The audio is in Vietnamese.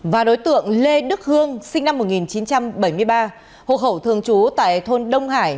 và đối tượng lê đức hương sinh năm một nghìn chín trăm bảy mươi ba hộ khẩu thường trú tại thôn đông hải